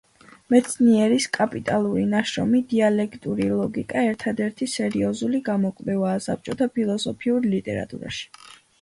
მეცნიერის კაპიტალური ნაშრომი „დიალექტიკური ლოგიკა“ ერთადერთი სერიოზული გამოკვლევაა საბჭოთა ფილოსოფიურ ლიტერატურაში.